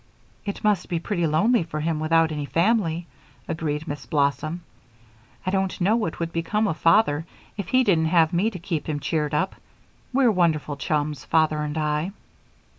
"It must be pretty lonely for him without any family," agreed Miss Blossom. "I don't know what would become of Father if he didn't have me to keep him cheered up we're wonderful chums, Father and I."